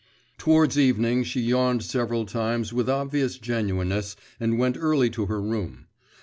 Towards evening she yawned several times with obvious genuineness, and went early to her room.